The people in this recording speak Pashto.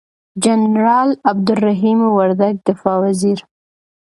جنرال عبدالرحیم وردگ دفاع وزیر،